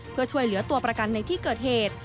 เพื่อช่วยเหลือตัวประกันในที่เกิดเหตุ